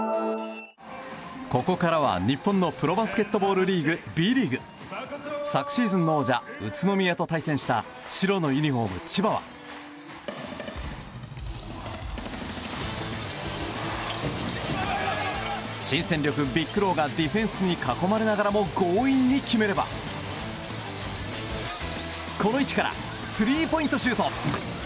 ここからは、日本のプロバスケットボールリーグＢリーグ。昨シーズンの王者宇都宮と対戦した白のユニホーム、千葉は新戦力ヴィック・ローがディフェンスに囲まれながらも強引に決めればこの位置からスリーポイントシュート。